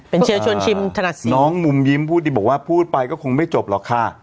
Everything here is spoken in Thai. เป็นเชื้อชัวร์ชิมทนัดน้องมุมยิ้มพูดบอกว่าพูดไปก็คงไม่จบหรอกค่ะ